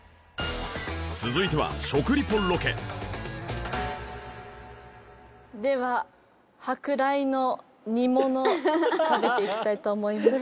続いては食リポロケでは食べていきたいと思います。